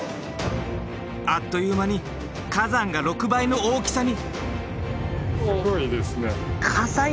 あっという間に火山が６倍の大きさに！